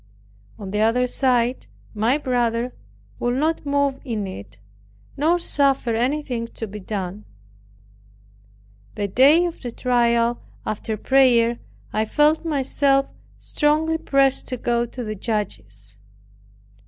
On the other side, my brother would not move in it, nor suffer anything to be done. The day of the trial, after prayer, I felt myself strongly pressed to go to the judges.